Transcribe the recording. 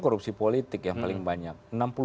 korupsi politik yang paling banyak